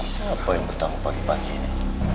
siapa yang bertanggung pagi pagi ini